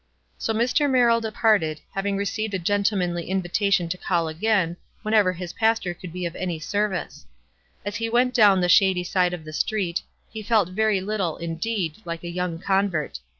'" So Mr. Merrill departed, having received a gentlemanly invitation to call again, whenever his pastor could be of any service. As he went down the shady side of the street, he felt very little, indeed, like a young convert.